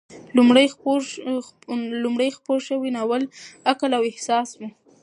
لومړنی خپور شوی ناول یې "عقل او احساس" و.